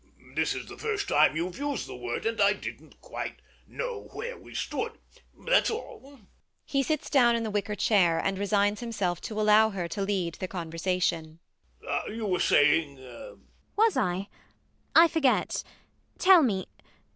This is the first time you've used the word; and I didn't quite know where we stood: that's all. [He sits down in the wicker chair; and resigns himself to allow her to lead the conversation]. You were saying ? ELLIE. Was I? I forget. Tell me.